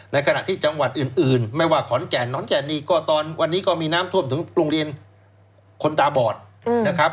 ในขณะที่จังหวัดอื่นไม่ว่าขอนแก่นขอนแก่นนี่ก็ตอนวันนี้ก็มีน้ำท่วมถึงโรงเรียนคนตาบอดนะครับ